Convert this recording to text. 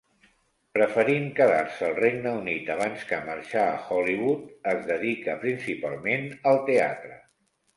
Preferint quedar-se al Regne Unit abans que marxar a Hollywood, es dedica principalment al teatre.